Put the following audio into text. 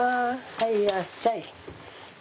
はいいらっしゃい。